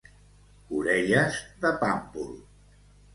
Orelles de pàmpol.